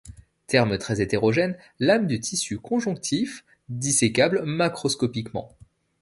Terme très hétérogène, lame de tissu conjonctif, dissécable macroscopiquement.